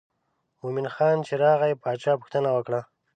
مومن خان چې راغی باچا پوښتنه وکړه.